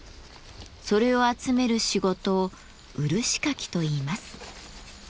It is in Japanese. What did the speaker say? それを集める仕事を漆かきといいます。